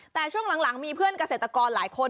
แต่ช่วงหลังมีเพื่อนเกษตรกรหลายคน